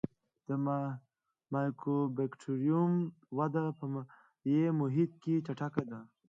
د مایکوبکټریوم وده په مایع محیط کې چټکه ده.